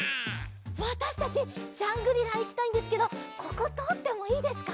わたしたちジャングリラいきたいんですけどこことおってもいいですか？